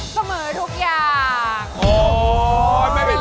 เสมอทุกอย่าง